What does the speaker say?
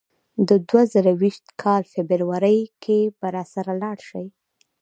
د دوه زره درویشت کال فبرورۍ کې به راسره لاړ شې.